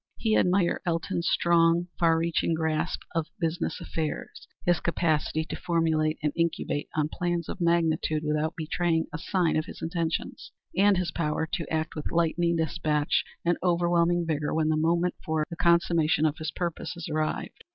He admired Elton's strong, far reaching grasp of business affairs, his capacity to formulate and incubate on plans of magnitude without betraying a sign of his intentions, and his power to act with lightning despatch and overwhelming vigor when the moment for the consummation of his purposes arrived.